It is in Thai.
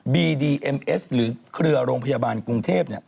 บีดีเอ็มเอสหรือเครือโรงพยาบาลกรุงเทพ